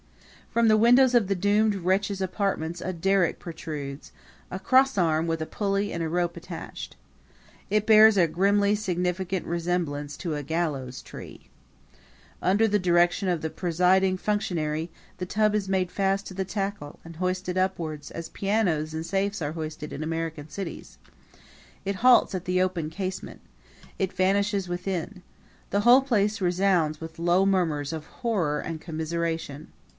From the window of the doomed wretch's apartments a derrick protrudes a crossarm with a pulley and a rope attached. It bears a grimly significant resemblance to a gallows tree. Under the direction of the presiding functionary the tub is made fast to the tackle and hoisted upward as pianos and safes are hoisted in American cities. It halts at the open casement. It vanishes within. The whole place resounds with low murmurs of horror and commiseration.